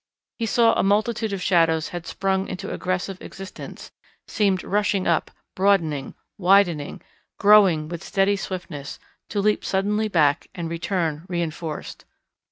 He saw a multitude of shadows had sprung into aggressive existence, seemed rushing up, broadening, widening, growing with steady swiftness to leap suddenly back and return reinforced.